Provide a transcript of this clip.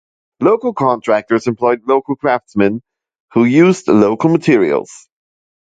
Local contractors employed local craftsmen, who used local materials.